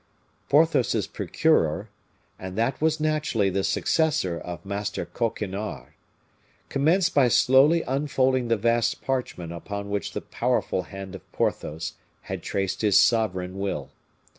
Porthos's procureur and that was naturally the successor of Master Coquenard commenced by slowly unfolding the vast parchment upon which the powerful hand of Porthos had traced his sovereign will.